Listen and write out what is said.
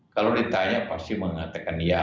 kalau ditanya pasti mengatakan ya